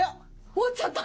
終わっちゃった。